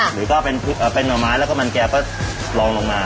หรือเป็นหน่อม้ายแล้วมันแกรบก็รองลงมา